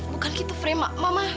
bukan gitu frey mama